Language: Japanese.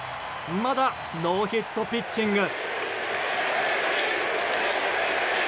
まだノーヒットピッチング。